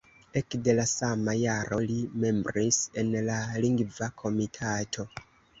Ekde la sama jaro li membris en la Lingva Komitato.